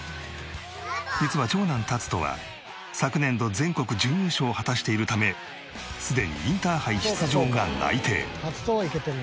実は長男タツトは昨年度全国準優勝を果たしているためすでにインターハイ出場が内定。